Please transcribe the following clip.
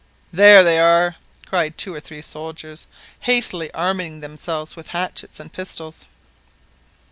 "There they are!" cried two or three soldiers, hastily arming themselves with hatchets and pistols.